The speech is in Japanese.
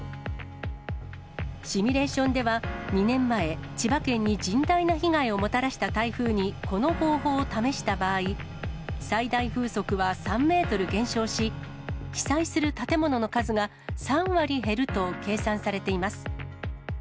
シミュレーションでは、２年前、千葉県に甚大な被害をもたらした台風に、この方法を試した場合、最大風速は３メートル減少し、被災する建物の数が３割減ると計算されています。